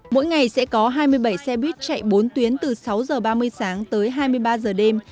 mỗi ngày sẽ có hai mươi bảy xe buýt chạy bốn tuyến từ sáu giờ ba mươi sáng tới hai mươi ba giờ đêm